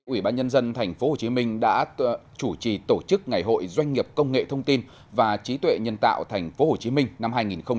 ủy ban nhân dân tp hcm đã chủ trì tổ chức ngày hội doanh nghiệp công nghệ thông tin và trí tuệ nhân tạo tp hcm năm hai nghìn một mươi chín